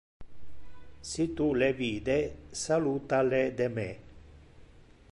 Si tu le vide, saluta le de me.